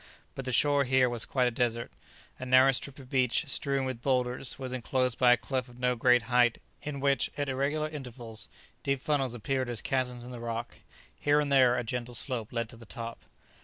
But the shore here was quite a desert. A narrow strip of beach, strewn with boulders, was enclosed by a cliff of no great height, in which, at irregular intervals, deep funnels appeared as chasms in the rock. Here and there a gentle slope led to the top.